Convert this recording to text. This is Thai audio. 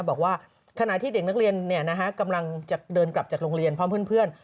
บอกว่าขณะที่เด็กนักเรียนกำลังจะเดินกลับจากโรงเรียนพร้อมเพื่อน